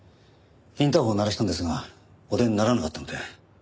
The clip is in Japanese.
インターホンを鳴らしたんですがお出にならなかったので。